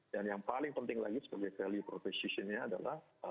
dan yang paling penting lagi sebagai value proposition nya adalah